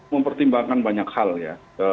mempertimbangkan banyak hal ya